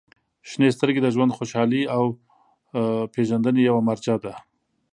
• شنې سترګې د ژوند خوشحالۍ او پېژندنې یوه مرجع ده.